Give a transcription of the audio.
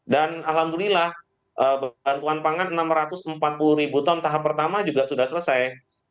dan alhamdulillah bantuan pangan enam ratus empat puluh ton tahap pertama juga sudah selesai